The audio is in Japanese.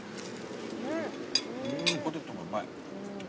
ポテトもうまい。